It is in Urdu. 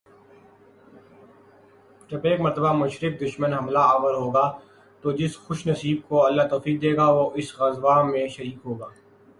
جب ایک مرتبہ مشرک دشمن حملہ آور ہو گا، تو جس خوش نصیب کو اللہ توفیق دے گا وہ اس غزوہ میں شریک ہوگا۔۔